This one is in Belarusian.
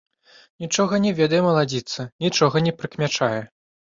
Нічога не ведае маладзіца, нічога не прыкмячае.